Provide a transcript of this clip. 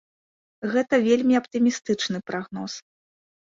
Гэта вельмі аптымістычны прагноз.